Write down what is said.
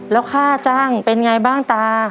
แล้วค่าจ้างเป็นไงบ้างตา